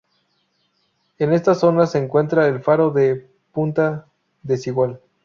En esta zona se encuentra el Faro de Punta Desigual.